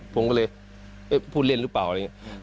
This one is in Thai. ผมก็เลยพูดเล่นหรือเปล่าอะไรอย่างนี้